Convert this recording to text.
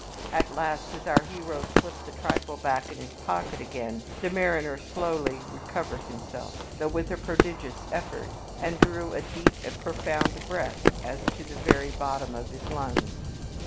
At last, as our hero slipped the trifle back in his pocket again, the mariner slowly recovered himself, though with a prodigious effort, and drew a deep and profound breath as to the very bottom of his lungs.